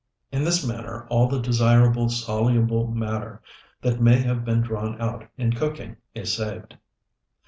In this manner all the desirable soluble matter that may have been drawn out in cooking is saved.